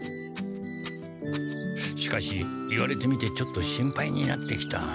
しかし言われてみてちょっと心配になってきた。